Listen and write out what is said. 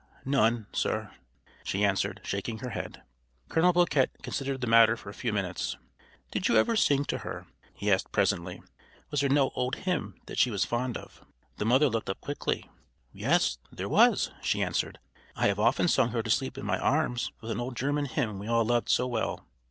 "None, sir," she answered, shaking her head. Colonel Boquet considered the matter for a few minutes. "Did you ever sing to her?" he asked presently. "Was there no old hymn that she was fond of?" The mother looked up quickly. "Yes, there was!" she answered. "I have often sung her to sleep in my arms with an old German hymn we all loved so well."